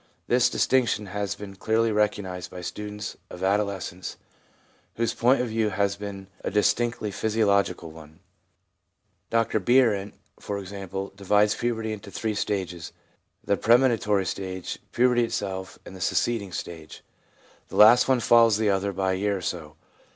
This distinction has been clearly recognised by students of adolescence whose point of view has been a distinctly physiological one. Dr Bierent, for example, divides puberty into three stages — the premonitory stage, puberty itself, and the succeeding stage. The last one follows the others by a year or so.